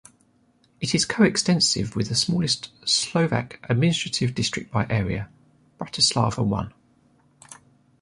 It is coextensive with the smallest Slovak administrative district by area, Bratislava One.